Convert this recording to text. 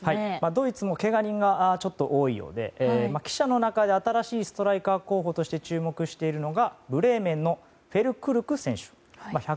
ドイツもけが人が多いようで、記者の中で新しいストライカー候補として注目しているのがブレーメンのフュルクルク選手。